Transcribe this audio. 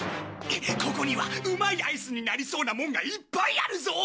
ここにはうまいアイスになりそうなもんがいっぱいあるぞ！